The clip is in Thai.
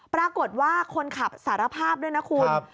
ปรากฏว่าคนขับสารภาพด้วยนะคุณ